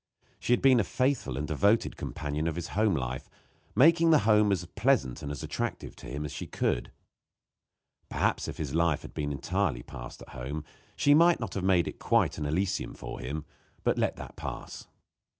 She had been a faithful and devoted companion of his home life, making that home as pleasant and attractive to him as she could. Perhaps if his life had been entirely passed at home she might not have made it quite an elysium for him; but let that pass.